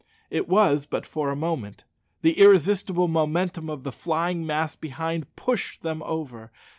It was but for a moment. The irresistible momentum of the flying mass behind pushed them over.